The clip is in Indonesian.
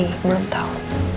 masih belum tau